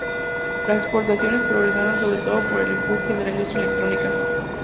Las exportaciones progresaron sobre todo por el empuje de la industria electrónica.